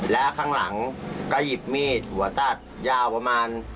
แล้วข้างหลังก็หยิบมีดหัวตัดยาวประมาณ